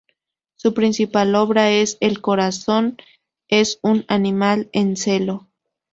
Su principal obra es "El corazón es un animal en celo".